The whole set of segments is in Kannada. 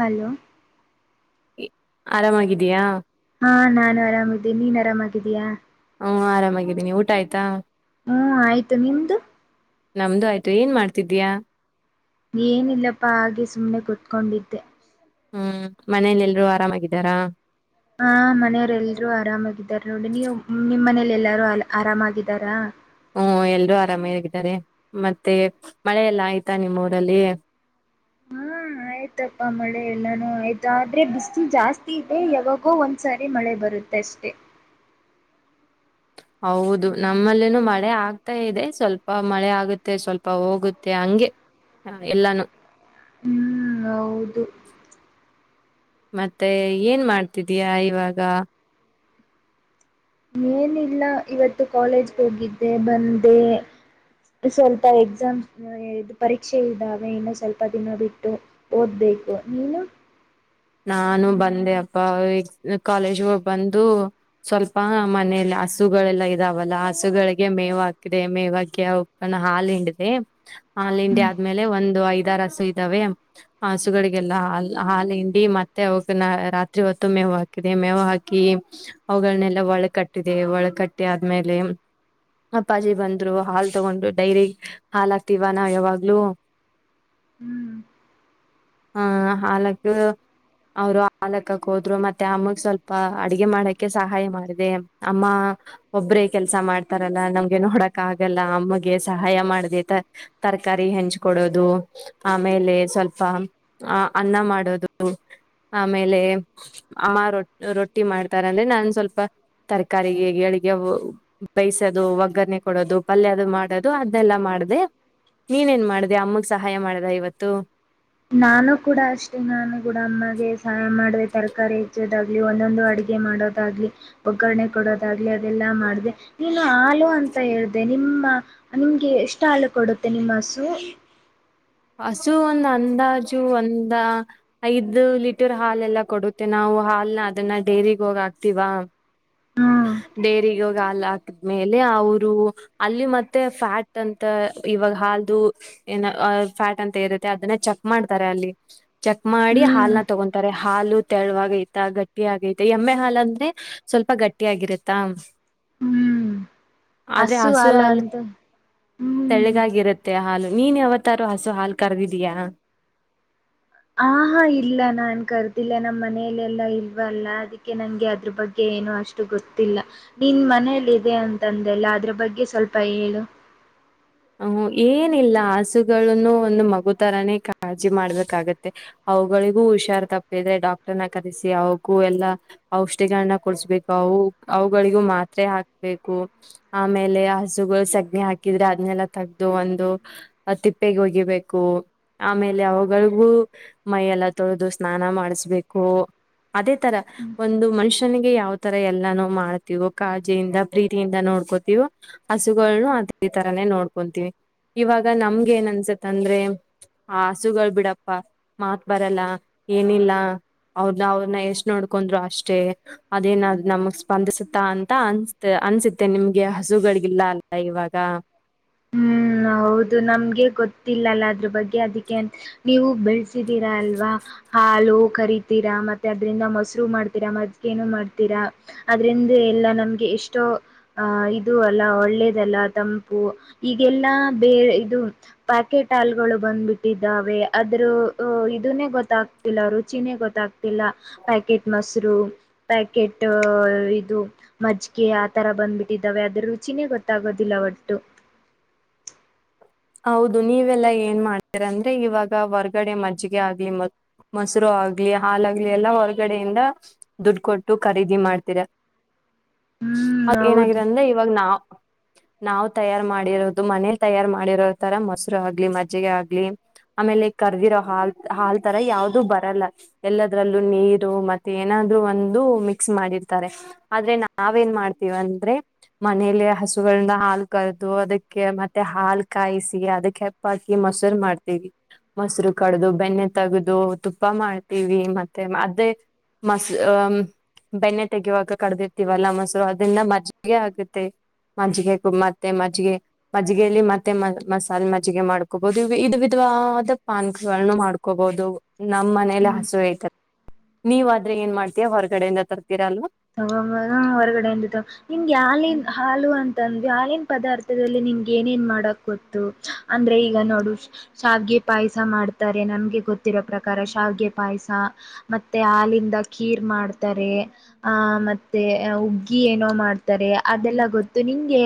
ಹಲೋ ಇ ಆರಾಮಾಗಿದಯಾ? ಹಾಂ ನಾನ್ ಆರಾಮಿದ್ದೀನ್ ನೀನ್ ಆರಾಮಾಗಿದ್ಯಾ? ಹಾಂ ಆರಾಮಾಗಿದ್ದೀನಿ ಊಟ ಆಯ್ತಾ? ಹ್ಮ್ ಆಯ್ತು ನಿಮ್ದು? ನಮ್ದು ಆಯ್ತು ಏನ್ ಮಾಡ್ತಿದ್ಯಾ ಏನಿಲ್ಲಪ್ಪಾ ಹಾಗೆ ಸುಮ್ನೆ ಕುತ್ಕೊಂಡಿದ್ದೆ. ಹ್ಮ್ ಮನೇಲಿ ಎಲ್ರು ಆರಾಮಾಗಿದ್ದಾರಾ? ಹಾಂ ಮನೆಯವರೆಲ್ರು ಆರಾಮಾಗಿದ್ದಾರೆ ನೋಡಿ. ನೀವು ನಿಮ್ ಮನೆ ಲೆಲ್ಲಾರು ಅ ಆರಾಮಾಗಿದ್ದಾರಾ? ಹ್ಮ್ ಎಲ್ರೂ ಆರಾಮಿಯಾಗಿದ್ದಾರೆ ಮತ್ತೆ ಮಳೆ ಎಲ್ಲ ಆಯ್ತಾ ನಿಮ್ಮೂರಲ್ಲಿ? ಹಾ ಆಯ್ತಪ್ಪ ಮಳೆ ಎಲ್ಲಾನು ಆಯ್ತು, ಆದ್ರೆ ಬಿಸಲು ಜಾಸ್ತಿ ಇದೆ ಯಾವಾಗೋ ಒಂದ್ಸಾರಿ ಮಳೆ ಬರುತ್ತೆ ಅಷ್ಟೇ. ಹೌದು ನಮ್ಮಲ್ಲೆನೋ ಮಳೆ ಆಗ್ ಮತ್ತ ಇದೆ ಸ್ವಲ್ಪ ಮಳೆ ಆಗುತ್ತೆ ಸ್ವಲ್ಪ ಹೋಗುತ್ತೆ ಹಂಗೆ ಎಲ್ಲಾನು. ಹ್ಮ್ ಹೌದು. ಮತ್ತೆ ಏನ್ ಮಾಡ್ತಿದ್ಯಾ ಇವಾಗ? ಏನಿಲ್ಲ ಇವತ್ತು ಕಾಲೇಜ್ಗ್ ಹೋಗಿದ್ದೆ ಬಂದೆ ಸ್ವಲ್ಪ ಎಕ್ಸಾಮ್ ಅ ಇದ್ ಪರೀಕ್ಷೆ ಇದ್ದಾವೆ, ಇನ್ನು ಸ್ವಲ್ಪ ದಿನ ಬಿಟ್ಟು ಓದ್ಬೇಕು ನೀನು? ನಾನು ಬಂದೆ ಅಪ್ಪ ಈಗ್ ಕಾಲೇಜ್ಗ್ ಹೋಗ್ ಬಂದು ಸ್ವಲ್ಪ ಮನೇಲಿ ಹಸುಗಳೆಲ್ಲ ಇದಾವಲ್ಲ ಹಸುಗಳಿಗೆ ಮೇವ್ ಹಾಕಿದೆ ಮೇವ್ ಹಾಕಿ ಅವುಕ್ ಹಾಲ್ ಹಿಂಡಿದೆ, ಹಾಲ್ ಹಿಂಡಿ ಆದ್ಮೇಲೆ ಒಂದು ಐದಾರ್ ಹಸು ಇದ್ದಾವೆ ಹಸುಗಳಿಗೆಲ್ಲಾ ಹಾಲ್ ಹಾಲಿಂಡ್ ಇ ಮತ್ತೆ ಅವುಕ್ಕೆ ರಾತ್ರಿ ಹೊತ್ತು ಮೇವ್ ಹಾಕಿದೆ, ಮೇವ್ ಹಾಕಿ ಅವುಗಳನ್ನೆಲ್ಲ ಒಳ ಕಟ್ಟಿದೆ ಒಳ ಕಟ್ಟಿ ಆದ್ಮೇಲೆ ಅಪ್ಪಾಜಿ ಬಂದ್ರು ಹಾಲ್ ತಗೊಂಡ್ರು ಡೈರಿ ಹಾಲ್ ಹಾಕ್ತಿವಾ ನಾ ಯಾವಾಗ್ಲೂ ಹ್ಮ್ ಆ ಹಾಲಾಕ್ತೀವೊ ಅವ್ರು ಹಾಲಾಕ್ಕಕ್ ಹೋದ್ರು ಮತ್ತೆ ಅಮ್ಮಗ್ ಸ್ವಲ್ಪ ಅಡಗೆ ಮಾಡಕ್ಕೆ ಸಹಾಯ ಮಾಡಿದೆ. ಅಮ್ಮ ಒಬ್ರೇ ಕೆಲ್ಸ ಮಾಡ್ತಾರಲ್ಲ ನಮ್ಗೆ ನೋಡಕ್ ಆಗಲ್ಲ ಅಮ್ಮಗೆ ಸಹಾಯ ಮಾಡಿದೆ ತರಕಾರಿ ಹೆಂಚ್ ಕೊಡೋದು ಆಮೇಲೆ ಸ್ವಲ್ಪ ಅ ಅನ್ನ ಮಾಡೋದು ದು ಆಮೇಲೆ ಅಮ್ಮ ರೊಟ್ ರೊಟ್ಟಿ ಮಾಡ್ತಾರಂದ್ರೆ ನಾನ್ ಸ್ವಲ್ಪ ತರಕಾರಿಗೆ ಗೆಳಿಗೆ ಬೇಯ್ಸೋದು ಒಗ್ಗರಣೆ ಕೊಡೋದು, ಪಲ್ಯ ಅದು ಮಾಡದು ಅದನೆಲ್ಲ ಮಾಡ್ದೆ ನೀನ್ ಏನ್ ಮಾಡ್ದೆ ಅಮ್ಮಗ್ ಸಹಾಯ ಮಾಡ್ದ ಇವತ್ತು. ನಾನು ಕೂಡ ಅಷ್ಟೇ ನಾನು ಕೂಡ ಅಮ್ಮಗೆ ಸಾ ಮಾಡ್ದೆ, ತರಕಾರಿ ಹೆಚ್ಚೋದ್ ದಾಗ್ಲಿ ಒಂದೊಂದು ಅಡಿಗೆ ಮಾಡೋದಾಗ್ಲಿ ಒಗ್ಗರಣೆ ಕೊಡೋದಾಗ್ಲಿ ಅದೆಲ್ಲಾ ಮಾಡ್ದೆ. ನೀನು ಹಾಲು ಅಂತ ಹೇಳ್ದ ನಿಮ್ಮ ನಿಮ್ಗೆ ಎಷ್ಟ್ ಹಾಲು ಕೊಡುತ್ತೆ ನಿಮ್ ಹಸು? ಹಸು ಒಂದ್ ಅಂದಾಜು ಒಂದ ಐದು ಲೀಟರ್ ಹಾಲೆಲ್ಲಾ ಕೊಡುತ್ತೆ ನಾವು ಹಾಲ್ನ ಅದನ್ನ ಡೈರಿಗ್ ಹೋಗ್ ಹಾಕ್ತಿವಾ ಹ್ಮ್ ಡೈರಿಗಾಗ್ ಹಾಲ್ ಹಾಕುದ್ಮೇಲೆ ಅವರು ಅಲ್ಲಿ ಮತ್ತೆ ಫ್ಯಾಟ್ ಅಂತ ಇವಾಗ ಹಾಲ್ದು ಏನ ಫ್ಯಾಟ್ ಅಂತ ಇರುತ್ತೆ ಅದನ್ನ ಚೆಕ್ ಮಾಡ್ತಾರೆ ಅಲ್ಲಿ ಚೆಕ್ ಮಾಡಿ ಹ್ಮ್ ಹಾಲ್ನ ತಗೊಂತಾರೆ. ಹಾಲು ತೆರಳುವಾಗೈತ ಗಟ್ಟಿ ಆಗೈತ ಎಮ್ಮೆ ಹಾಲ್ ಅಂದ್ರೆ ಸ್ವಲ್ಪ ಗಟ್ ಟ್ಟಿ ಆಗಿರುತ್ತ ಹ್ಮ್ ಆದ್ರೆ ಹಸು ಹಾಲ ಹಾಲ್ ಅಂತ ಹ್ಮ್ ತಳ್ಗಾಗಿರುತ್ ತ್ತೆ ಹಾಲು ನೀನ್ ಯಾವತ್ತಾರು ಹಸು ಹಾಲ್ ಕರ್ದಿದ್ಯಾ? ಆಹಾ ಇಲ್ಲ ನಾನ್ ಕರ್ದಿಲ್ಲ ನಮ್ ಮನಲೆೆಲ್ಲಾ ಇಲ್ವಲ್ಲ ಅದಕ್ಕೆ ನನ್ಗೆ ಅದ್ರ ಬಗ್ಗೆ ಏನು ಅಷ್ಟು ಗೊತ್ತಿಲ್ಲ. ನಿನ್ ಮನೇಲಿದೆ ಅಂತಂದೆಲ್ಲ ಅದ್ರ ಬಗ್ಗೆ ಸ್ವಲ್ಪ ಹೇಳು. ಅ ಹೂಂ ಏನಿಲ್ಲ ಹಸುಗಳನ್ನು ಒಂದ್ ಮಗು ತರಾನೇ ಕಾಳಜಿ ಮಾಡ್ಬೇಕಾಗತ್ತೆ. ಅವುಗಳಿಗೂ ಹುಷಾರ್ ತಪ್ಪಿದ್ರೆ ಡಾಕ್ಟರ್ನ ಕರೆಸಿ ಅವಕೂ ಎಲ್ಲಾ ಔಷಧಿಗಳನ್ನ ಕೊಡ್ಸ್ಬೇಕು ಅವು ಅವುಗಳಿಗೂ ಮಾತ್ರೆ ಹಾಕ್ಬೇಕು ಆಮೇಲೆ ಹಸುಗಳು ಸಗ್ಣಿ ಹಾಕಿದ್ರೆ ಅದ್ನೆಲ್ಲ ತೆಗ್ದು ಒಂದು ತಿಪ್ಪೆಗೊಗಿಬೇಕು. ಆಮೇಲೆ ಅವುಗಳಿಗೂ ಮೈಯೆಲ್ಲ ತೊಳೆದು ಸ್ನಾನ ಮಾಡಿಸಬೇಕು, ಅದೇ ತರ ಒಂದು ಮನುಷ್ಯನಿಗೆ ಯಾವ್ ತರ ಎಲ್ಲಾನೂ ಮಾಡ್ತೀವೋ ಕಾಳಜಿಯಿಂದ ಪ್ರೀತಿಯಿಂದ ನೋಡ್ಕೋತೀವೋ ಹಸುಗಳ್ನು ಅದೇ ತರನೇ ನೋಡ್ ಕೊಂತಿನಿ, ಇವಾಗ ನಮ್ಗೇನ್ ಅನ್ಸತ್ ಅಂದ್ರೆ ಆ ಹಸುಗಳ್ ಬಿಡಪ್ಪ ಮಾತ್ ಬರಲ್ಲ ಏನಿಲ್ಲ ಅವ್ರ್ನಾ ಅವ್ರ್ನ್ ಎಷ್ಟ್ ನೋಡ್ಕೊಂಡ್ರು ಅಷ್ಟೆ ಅದೇನ್ ಅದ್ ನಮಗ್ ಸ್ಪಂದಿಸುತ್ತಾ ಅಂತ ಅನ್ಸ್ತ್ ಅನ್ಸತ್ತೆ ನಿಮ್ಗೆ ಹಸುಗಳ್ಗಿಲ್ಲ ಅಲ್ಲ ಇವಾಗ. ಹ್ಮ್ ಹೌದು ನಮ್ಗೆ ಗೊತ್ತಿಲ್ಲಲ್ಲ ಅದ್ರ ಬಗ್ಗೆ ಅದಕ್ಕೆ ಅ ನೀವು ಬೆಳ್ಸಿದೀರಾ ಅಲ್ವಾ ಹಾಲೂ ಕರಿತೀರಾ ಮತ್ತೆ ಅದ್ರಿಂದ ಮೊಸ್ರು ಮಾಡ್ತೀರಾ ಮಜ್ಗೇನೂ ಮಾಡ್ತೀರ ಅದ್ರಿಂದ ಎಲ್ಲ ನಮಗೆ ಎಷ್ಟೋ ಆ ಇದು ಅಲ್ಲ ಒಳ್ಳೇದಲ್ಲ ತಂಪು, ಈಗೆಲ್ಲ ಬೇರೆ ಇದು ಪ್ಯಾಕೆಟ್ ಹಾಲ್ಗಳು ಬಂದ್ಬಿಟ್ಟಿದ್ದಾವೆ ಅದ್ರ ಅ ಇದುನೇ ಗೊತ್ತಾಗ್ತಿಲ್ಲ ರುಚಿನೇ ಗೊತ್ತಾಗ್ತಿಲ್ಲ ಪ್ಯಾಕೆಟ್ ಮೊಸರು ಪ್ಯಾಕೆಟ್ ಅ ಇದು ಮಜ್ಗೆ ಆತರ ಬಂದ್ಬಿಟ್ಟಿದ್ದಾವೆ ಅದ್ರ ರುಚಿನೇ ಗೊತ್ತಾಗೋದಿಲ್ಲ ಒಟ್ಟು. ಹೌದು ನೀವೆಲ್ಲಾ ಏನ್ ಮಾಡ್ತೀರ ಅಂದ್ರೆ ಇವಾಗ ಹೊರ್ಗಡೆ ಮಜ್ಗೆ ಆಗ್ಲಿ ಮ ಮೊಸರು ಆಗ್ಲಿ ಹಾಲಾಗ್ಲಿ ಎಲ್ಲಾ ಹೊರ್ಗಡೆಯಿಂದ ದುಡ್ ಕೊಟ್ಟು ಖರೀದಿ ಮಾಡ್ತೀರ ಹ್ಮ್ ಅ ಹೌದು ಏನಾಗಿದೆ ಅಂದ್ರೆ ಇವಾಗ ನಾವ್ ನಾವ್ ತಯಾರ್ ಮಾಡಿರೋದು ಮನೇಲ್ ತಯಾರ್ ಮಾಡಿರೋ ತರ ಮೊಸ್ರು ಆಗ್ಲಿ ಮಜ್ಜಿಗೆ ಆಗ್ಲಿ ಆಮೇಲೆ ಕರ್ದಿರೋ ಹಾಲ್ ಹಾಲ್ ತರ ಯಾವ್ದೂ ಬರಲ್ಲ ಎಲ್ಲದ್ರಲ್ಲೂ ನೀರು ಮತ್ತೆ ಏನಾದ್ರೂ ಒಂದು ಮಿಕ್ಸ್ ಮಾಡಿರ್ತಾರೆ, ಆದ್ರೆ ನಾವೇನ್ ಮಾಡ್ತೀವ್ ಅಂದ್ರೆ ಮನೇಲೆ ಹಸುಗಳಂದ್ ಹಾಲ್ ಕರ್ದು ಅದಕ್ಕೆ ಮತ್ತೆ ಹಾಲ್ ಕಾಯಿಸಿ ಅದಕ್ ಹೆಪ್ ಹಾಕಿ ಮೊಸರ್ ಮಾಡ್ತೀವಿ ಮೊಸ್ರು ಕಡ್ದು ಬೆಣ್ಣೆ ತಗದು ತುಪ್ಪ ಮಾಡ್ತೀವಿ ಮತ್ತೆ ಅದೇ ಮಸ್ ಆ ಬೆಣ್ಣೆ ತೆಗೆಯುವಾಗ ಕಡ್ದ್ ಇರ್ತೀವಲ್ಲ ಮೊಸರು ಅದ್ರಿಂದ ಮಜ್ಗೆ ಆಗುತ್ತೆ ಮಜ್ಗೆ ಕೂ ಮತ್ತೆ ಮಜ್ಗೆ ಮಜ್ಗೆಲೀ ಮತ್ ಮತ್ತೆ ಮ ಮಸಾಲ್ ಮಜ್ಗೆ ಮಾಡ್ಕೋಬಹುದು ಇವಾಗ್ ಇದ್ ವಿಧವಾದ ಪಾನ್ಕಗಳ್ನೂ ಮಾಡ್ಕೋಬಹುದು. ನಮ್ ಮನೇಲ್ ಹ್ಮ್ ಹಸು ಐತ್ ನೀವಾದ್ರೆ ಏನ್ ಮಾಡ್ತ್ಯ? ಹೊರ್ಗಡೆಯಿಂದ ತರ್ತೀರ ಅಲ್ವಾ? [unintelligible] ಹೊರ್ಗಡೆ ಇಂದ್ ತ ನಿಮ್ಗೆ ಯಾಲಿನ್ ಹಾಲು ಅಂತಂದ್ವಿ ಹಾಲಿನ್ ಪದಾರ್ಥದಲ್ಲಿ ನಿಮ್ಗೆ ಏನೇನ್ ಮಾಡಕ್ ಗೊತ್ತು? ಅಂದ್ರೆ ಈಗ ನೋಡು ಶಾವ್ಗೆ ಪಾಯ್ಸ ಮಾಡ್ತಾರೆ ನನ್ಗೆ ಗೊತ್ತಿರೋ ಪ್ರಕಾರ ಶಾವ್ಗೆ ಪಾಯ್ಸ ಮತ್ತೇ ಹಾಲಿಂದ ಖೀರ್ ಮಾಡ್ತಾರೆ ಆಹ ಮತ್ತೆ ಉಗ್ಗಿ ಏನೋ ಮಾಡ್ತಾರೆ ಅದೆಲ್ಲ ಗೊತ್ತು ನಿಂಗೆ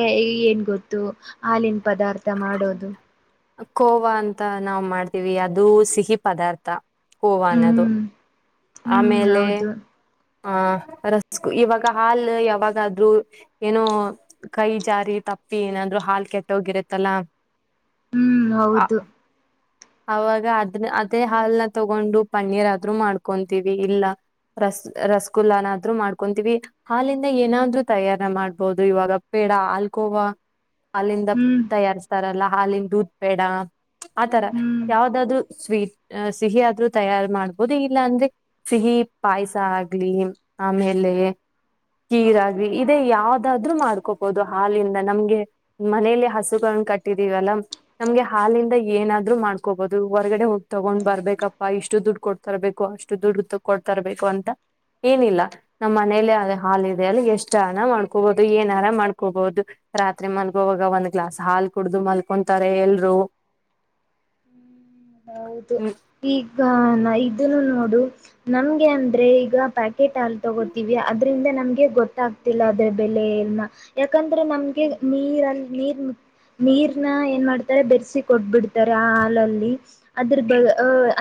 ಏನ್ ಗೊತ್ತು ಹಾಲಿನ ಪದಾರ್ಥ ಮಾಡೋದು ಕೋವಾ ಅಂತ ನಾವ್ ಮಾಡ್ತೀವಿ ಅದು ಸಿಹಿ ಪದಾರ್ಥ ಕೋವನ್ನದು ಹ್ಮ್ ಹ್ಮ್ ಹೌದು ಹ ರಸ್ಗು ಇವಾಗ ಹಾಲ್ ಯಾವಾಗದ್ರೂ ಏನೋ ಕೈ ಜಾರಿ ತಪ್ಪಿ ಏನಾದ್ರು ಹಾಲ್ ಕೆಟ್ಟೋಗಿರತ್ತಲ್ಲ [unintelligible] ಹ್ಮ್ ಆ ಹೌದು ಅವಾಗ ಅದನ್ನ ಅದೇ ಹಾಲ್ನ ತಗೊಂಡು ಪನ್ನೀರ್ ಆದ್ರು ಮಾಡ್ಕೊಂತೀವಿ ಇಲ್ಲ ರಸ್ ರಸಗುಲ್ಲನಾದ್ರು ಮಾಡ್ಕೊಂತೀವಿ ಹಾಲಿಂದ ಏನಾದ್ರು ತಯಾರ ಮಾಡ್ಬೋದು ಇವಾಗ ಪೇಡ ಹಾಲ್ಕೋವಾ ಹಾಲ್ಲಿಂದ ಹ್ಮ್ ತಯಾರಿಸ್ತಾರಲ್ಲ ಹಾಲಿಿನ ದೂದ್ ಪೇಡಾ ಆತರ [unintelligible] ಹ್ಮ್ ಯಾವ್ದಾದ್ರು ಸ್ವೀಟ್ ಅ ಸಿಹಿಯಾದ್ರೂ ತಯಾರ್ ಮಾಡ್ಬೋದು ಇಲ್ಲ ಅಂದ್ರೆ ಸಿಹಿ ಪಾಯಸ ಆಗ್ಲಿ ಆಮೇಲೆ ಕೀರ್ ಆಗ್ಲಿ ಇದೇ ಯಾವ್ದಾದ್ರು ಮಾಡ್ಕೋಬಹುದು ಹಾಲಿಂದ ನಮ್ಗೆ ಮನೇಲಿ ಹಸುನ್ನ ಕಟ್ಟಿದೀವಲ್ಲ ನಮ್ಗೆ ಹಾಲಿಂದ ಏನಾದ್ರು ಮಾಡ್ ಕೋಬಹುದು ಹೊರಗಡೆ ಹೋಗಿ ತಗೊಂಡ್ ಬರ್ಬೇಕಪ್ಪಾ ಇಷ್ಟು ದುಡ್ಡು ಕೊಡ್ತರ್ಬೇಕು ಅಷ್ಟು ದುಡ್ಡು ಕೊಡ್ತರ್ಬೇಕು ಅಂತ ಏನಿಲ್ಲ ನಮ್ಮ್ ಮನೇಲಿ ಅ ಹಾಾಲ ಇದೆ ಅಲ್ಲಿ ಎಷ್ಟನ ಮಾಡ್ಕೋಬಹುದು ಏನಾರ ಮಾಡ್ಕೋಬಹುದು ರಾತ್ರಿ ಮಲ್ಗೋವಾಗ ಒಂದ್ ಗ್ಲಾಸ್ ಹಾಲ್ ಕುಡ್ದು ಮಲ್ಕೊಂತಾರೆ ಎಲ್ರು ಹ್ಮ್ ಹೌದು ಈಗ ನ ಇದನ್ನು ನೋಡು ನಮ್ಗೆ ಅಂದ್ರೆ ಈಗ ಪ್ಯಾಕ ಕೇಟ್ ಅಲ್ ತೊಗೋತೀವಿ ಅದ್ರಿಂದ ನಮಗೆ ಗೊತ್ತ ಆಗ್ತಿಲ್ಲ ಅದ್ರೆ ಬೆಲೆ ಎನ ಯಾಕಂದ್ರೆ ನಮ್ಗೆ ನೀರ ನೀರ್ ನೀರ್ನ ಏನ್ ಮಾಡ್ತಾರೆ ಬೆರೆಸಿ ಕೊಟ್ಬಿಡ್ತಾರೆ ಹಾಲಲ್ಲಿ ಅದ್ರ ಬ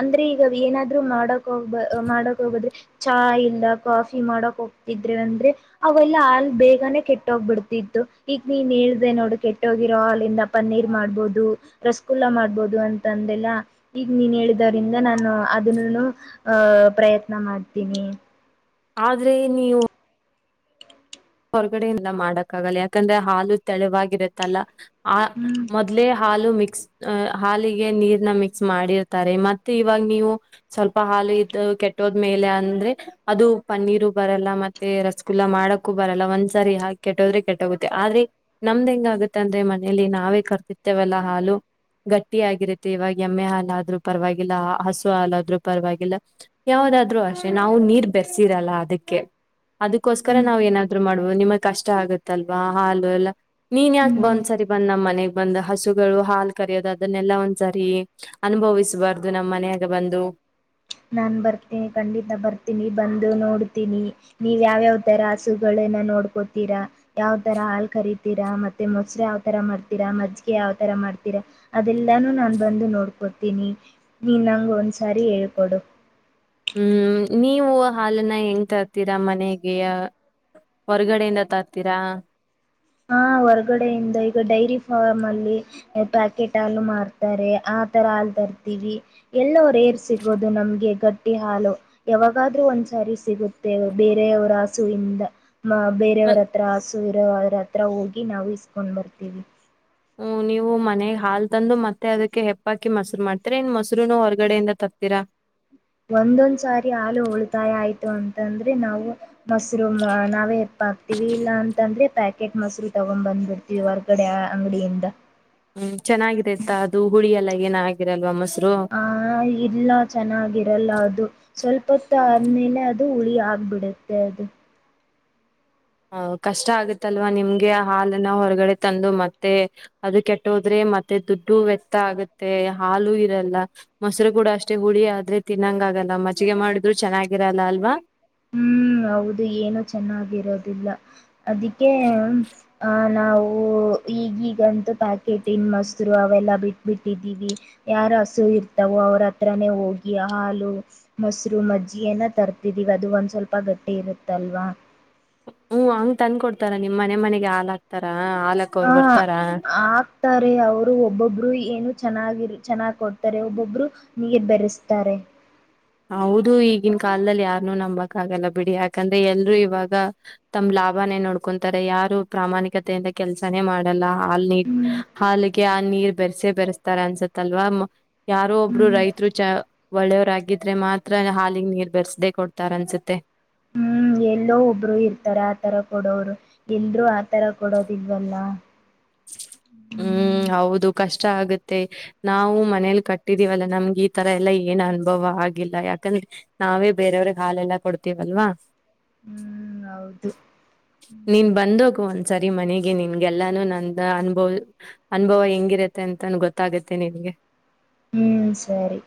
ಅಂದ್ರೆ ಈಗ ಏನಾದ್ರು ಮಾಡಕ ಹೋಗ್ ಮಾಡಕ್ ಹೋಗದ್ರೆ ಚ ಇಲ್ಲ ಕಾಫಿ ಮಾಡಕ್ ಹೋಗ್ತಿದ್ರೆ ಅಂದ್ರೆ ಅವೆಲ್ಲ ಹಾಲ್ ಬೇಗನೆ ಕೆಟ್ಟೋಗ್ಬಿಡ್ತಿತ್ತು ಈಗ ನೀನ್ ಹೇಳ್ದೆ ನೋಡು ಕೆಟ್ಟೋಗಿರೋ ಹಾಲಿಂದ ಪನ್ನೀರ್ ಮಾಡ್ಬಹುದು ರಸಗುಲ್ಲಾ ಮಾಡ ಆಬಹದು ಅಂತ ಅಂದಲ್ಲ ಈಗ ನೀನ್ ಹೇಳಿದ್ರಂದ ನಾನು ಅದನ್ನು ಆ ಪ್ರಯತ್ನ ಮಾಡ್ತೀನಿ ಆದ್ರೆ ನೀವು ಹೊರಗಡೆಯಿಂದ ಮಾಡಕ್ಕಾಗಲ್ಲ ಯಾಕಂದ್ರೆ ಹಾಲು ತೆಳವಾಗಿರತ್ತಲ್ಲ ಆ ಹ್ಮ್ ಮೊದ್ಲೇ ಹಾಲು ಮಿಕ್ ಹಾಲಿಗೆ ನೀರ್ನ ಮಿಕ್ಸ್ ಮಾಡಿರ್ತಾರೆ ಮ ಇವಾಗ ನೀವು ಸ್ವಲ್ಪ ಹಾಲು ಇದ ಕೆಟ್ಟೋದ ಮೇಲೆ ಅಂದ್ರೆ ಅದು ಪನ್ನೀರ್ ಬರಲ್ಲ ಮತ್ತೆ ರಸಗುಲ್ಲ ಮಾಡ [unintelligible] ಬರಲ್ಲ ಒಂದ್ ಸರಿ ಹ ಕೆಟ್ಟದ್ರೆ ಕೆಟ್ಟೋಗುತ್ತೆ ಆದ್ರೆ ನಮ್ದ್ ಹೆಂಗ ಆಗುತ್ತೆ ಅಂದ್ರೆ ಮನೆಯಲ್ಲಿ ನಾವೇ ಕರರ್ತಿತ್ತೇವೆಲ್ಲಾ ಹಾಲು ಗಟ್ಟಿ ಆಗಿರುತ್ತೆ ಇವಾಗ ಎಮ್ಮೆ ಹ್ರೂ ಪರಲ್ಲ ಹಸು ಹಾಾಲಾದ್ರೂ ಪರವಾಗಿಲ್ಲ ಯದಾದ್ರೂ ಅ ನಾವು ನೀರ್ ಬೆರೆಸಿರಲ್ಲ ಅದಕ್ಕೆ [unintelligible] ಹ್ಮ್ ನಾವ ಏನಾದೂ ಮಾಡಬೋದು ನಿಮಗ್ ಕಷ್ಟ ಆಗುತ್ತಲ್ವಾ ಹಾಲು ಎಲ್ಲಾ ನೀನ್ ಯಾಕ ಹ್ಮ್ ಒಂದ್ಸರಿ ಬಂದ್ ಮನೆಗ್ ಬಂದ ಹಸುಗಳು ಹಾಲು ಕರೆಯೋದು ಅದನ್ನೆಲ್ಲಾ ಒಂದ್ಸರಿ ಅನುಭವಿಸಬಾರ್ದು ನಮ್ಮ್ ಮನ್ಯಾಗ ಬಂದು ನಾನು ಬರ್ತನಿ ಖಂಡಿತ ಬರ್ತೀನಿ ಬಂದು ನೋಡ್ತೀನಿ ನೀವ್ ಯಾವ್ಯಾವ್ ತರ ಹಸುಗಳನ್ನ ನೋಡ್ಕೋತೀರಾ ಯಾವ್ ತರ ಹಾಲ್ ಕರತೀರಾ ಮತ್ತೆ ಮೊಸರು ಯಾವ್ತರ ಮಾಡ್ತೀರಾ ಮಜ್ಜಿಗೆ ಯಾವ್ತರ ಮಾಡ್ತೀರಾ ಅದೆಲ್ಲಾನು ನಾನ್ ಬಂದು ನೋಡ್ಕೋತೀನಿ ನೀನ್ಂಗ ಒಂದ್ಸಾರಿ ಹೇಳ್ಕೋಡ್ ಕೊಡು ಹ್ಮ್ ನೀವು ಹಾಲನ್ನ ಹೆಂಗ್ ತರ್ತೀರಾ ಮನೆಗೆ ಹೊರಗಡೆಯಿಂದ ತರ್ತೀರಾ ಹ ಹೊರಗಡೆಯಿಂದ ಈಗ ಡೈರಿ ಫಾರ್ಮ್ ಅಲ್ಲಿ ಪ್ಯಾಕೆಟ್ ಹಾಲು ಮಾರ್ತಾರೆ ಆ ತರ ಹಾಲ್ ತರ್ತೀವಿ ಎಲ್ಲ ಪ್ರೇರ್ ಸಿಗೋದು ನಮ್ಗೆ [unintelligible] ಗಟ್ಟಿ ಹಾಲು ಯಾವಾಗಾದ್ರೂ ಒಂದ್ಸಾರಿ ಸಿಗುತ್ತೆ ಬೇರೆಯವ್ರ ಹಸು ಇಿಂದ [unintelligible] ಮ ಬೇರೆಯವರ ಮತ್ ಹತ್ರ ಹಸು ಬೇರೆಯವರ ಹತ್ರ ಹೋಗಿ ನಾವು ಇಸ್ಕೊಂಡ್ ಬರ್ತೀವಿ ಹ್ಮ ನೀವು ಮನೆಗ್ ಹಾಲ್ ತಂದು ಮತ್ತೆ ಅದಕ್ಕೆ ಹೆಪ್ಪಾಕಿ ಮೊಸರು ಮಾಡ್ತೀರಾ ಇನ್ ಮೊಸರುೂನು ಹೊರ್ಗಡೆಯಿಂದ ತರ್ತೀರಾ ಒಂದೊಂದ್ ಸಾರಿ ಹಾಲು ಉಳಿತಾಯ ಆಯ್ತು ಅಂತಂದ್ರೆ ನಾವು ಮೊಸರು ನಾವೇ ಎಪ್ಪ ಹಾಕ್ತಿೀವಿ ಇಲ್ಲ ಅಂತಂದ್ರೆ ಪ್ಯಾಕೆಟ್ ಮೊಸರು ತಗೊಂಡ್ ಬಂದ್ಬಿಡ್ತೀವಿ ಹೊರ್ಗಡೆ ಅಂಗಡಿಯಿಂದ ಹ್ಮ್ ಚೆನ್ನಾಗಿದೆತ ಅದು ಹುಳಿ ಎಲ್ಲ ಏನ ಆಾಗಿರಲ್ವ ಹ ಇಲ್ಲ ಚೆನ್ನಾಗಿರಲ್ಲ ಅದು ಸ್ವಲ್ಪತ್ತ ಆದ್ಮೇಲೆ ಅದು ಹುಳಿ ಆಗ್ಬಿಡುತ್ತೆ ಅದು. ಆಹ ಕಷ್ಟ ಆಗತಲ್ವ ನಿಮ್ಗೆ ಆ ಹಾಲನ್ನ ಹೊರಗಡೆ ತಂದು ಮತ್ತೆ ಅದು ಕೆಟ್ಟೋದ್ರೆ ಮತ್ತೆ ದುಡ್ಡು ವ್ಯರ್ಥ ಆಗತ್ತೆ ಹಾಲು ಇರಲ್ಲ ಮೊಸರು ಕೂಡ ಅಷ್ಟೇ ಹುಳಿಯ ಆದ್ರೆ ತಿನ್ನಂಗ ಆಗಲ್ಲ ಮಜ್ಜಿಗೆ ಮಾಡಿದ್ರು ಚೆನ್ನಾಗಿರಲ್ಲ ಅಲ್ವಾ. ಹ್ಮ್ ಹೌದು ಏನು ಚೆನ್ನಾಗಿರೋದಿಲ್ಲ ಅದಕ್ಕೆ ಆ ನಾವು ಈಗೀಗಂತೂ ಪ್ಯಾಕೆಟ ಇನ್ ಮೊಸ್ರು ಅವೆಲ್ಲ ಬಿಟ್ಬಿಟ್ಟಿದ್ದೀವಿ ಯಾರ ಹಸು ಇರ್ತಾವೋ ಅವ್ರ ಹತ್ರಾನೇ ಹೋಗಿ ಹಾಲು ಮೊಸ್ರು ಮಜ್ಜಿಗೇನ ತರ್ತಿದೀವಿ ಅದು ಒಂದ್ ಸ್ವಲ್ಪ. [unintelligible] ಗಟ್ಟಿ ಇರುತಲ್ವಾ. ಹ್ಮ್ ಹಂಗ್ ತಂದ್ ಕೊಡ್ತಾರ ನಿಮ್ ಮನೆ ಮನೆಗೆ ಹಾಲಾಕತರಾ. ಹಾ ಆಗ್ತಾರೆ ಅವರು ಒಬ್ಬೊಬ್ರು ಇ. ಏನು ಚೆನ್ನಾಗಿರಿ ಚೆನ್ನಾಗ್ ಕೊಡ್ತಾರೆ ಒಬ್ಬೊಬ್ರು ನೀರು ಬೆರೆಸ್ತಾರೆ. ಹೌದು ಈಗಿನ ಕಾಲದಲ್ಲಿ ಯಾರನೂ ನಂಬಕ್ ಆಗಲ್ಲ ಬಿಡಿ ಯಾಕಂದ್ರೆ ಎಲ್ರೂ ಇವಾಗ ತಮ್ ಲಾಭನೇ ನೋಡ್ಕೊಂತಾರೆ ಯಾರು ಪ್ರಾಮಾಣಿಕತೆಯಿಂದ ಕೆಲ್ಸಾನೇ ಮಾಡಲ್ಲ ಹಾಲ್ ನೀ ಹ್ಮ್ ಹಾಲಿಗೆ ಆ ನೀರ್ ಬೆರೆಸೆ ಬೆರೆಸ್ತಾರ ಅನ್ಸತ್ತಲ್ವಾ ಯಾರೋ ಒಬ್ರು ಹ್ಮ್ ರೈತರು ಚ ಒಳ್ಳೆವರಾಗಿದ್. [unintelligible] ಮಾತ್ರನೆ ಹಾಲಿಗ್ ನೀರ್ ಬೆರೆಸ್ದೇ ಕೊಡ್ತಾರ ಅನ್ಸುತ್ತೆ. ಹ್ಮ್ ಎಲ್ಲೋ ಒಬ್ರು ಇರ್ತಾರ ಆತರ ಕೊಡೋವರು ಎಲ್ರು ಆತರ ಕೊಡೋದಿಲ್ವಲಾ. ಹ್ಮ್ ಹೌದು ಕಷ್ಟ ಆಗುತ್. ಮತ್ತೆ ನಾವು ಮನೇಲಿ ಕಟ್ಟಿದೀವಲ್ಲ ನಮ್ಗೆ ಈ ತರ ಎಲ್ಲಾ ಏನ್ ಅನುಭವ ಆಗಿಲ್ಲ ಯಾಕಂದ್ರೆ ನಾವೇ ಬೇರೆಯವ್ರಿಗೆ ಹಾಲೆಲ್ಲಾ ಕೊಡ್ತೀವಲ್ವಾ. ಹ್ಮ್ ಹೌದು ನೀನ್ ಬಂದೋಗುವಂತ್. ಸರಿ ಮನೆಗೆ ನಿನ್ಗೆಲ್ಲಾನು ನನ್. ಅನುಭವ ಅನುಭವ ಹೆಂಗಿರತ್ತೆ ಅಂತ ಅಂತನೂ ಗೊತ್ತಾಗುತ್ತೆ ನಿನ್ಗೆ. ಹ್ಮ್ ಸರಿ.